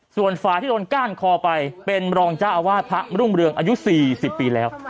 ส่วนฝ่ายที่โดนก้านคอไปเป็นรองเจ้าอาวาสพระรุ่งเรืองอายุ๔๐ปีแล้ว